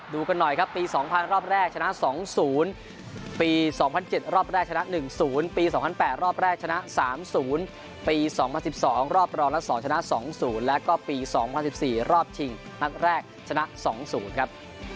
ดูกันหน่อยครับปี๒๐๐รอบแรกชนะ๒๐ปี๒๐๐๗รอบแรกชนะ๑๐ปี๒๐๐๘รอบแรกชนะ๓๐ปี๒๐๑๒รอบรองและ๒ชนะ๒๐แล้วก็ปี๒๐๑๔รอบชิงนัดแรกชนะ๒๐ครับ